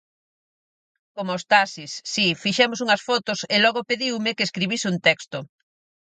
Coma os taxis, si Fixemos unhas fotos e logo pediume que escribise un texto.